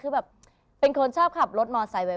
คือแบบเป็นคนชอบขับรถมอเตอร์ไซค์ไว